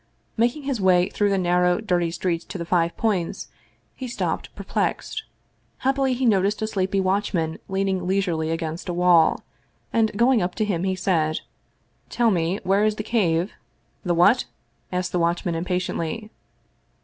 Making his way through the narrow, dirty streets to the Five Points, he stopped perplexed. Happily he noticed a sleepy watchman leaning leisurely against a wall, and going up to him he said :" Tell me, where is the Cave ?"" The what ?" asked the watchman impatiently.